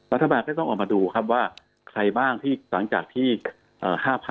รัฐบาลก็ต้องออกมาดูครับว่าใครบ้างที่หลังจากที่๕๐๐๐